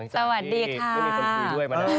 สวัสดีค่ะ